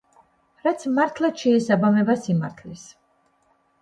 რაც მართლაც შეესაბამება სიმართლეს.